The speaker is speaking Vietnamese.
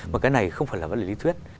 mà cái này không phải là lý thuyết